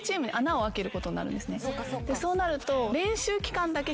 そうなると。